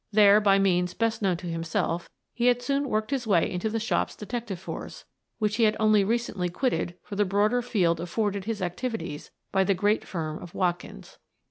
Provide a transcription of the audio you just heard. There, by means best known to him self, he had soon worked his way into the shop's detective force which he had only recently quitted for the broader field afforded his activities by the great firm of Watkins.